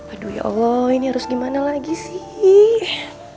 aduh ya allah ini harus dimana lagi sih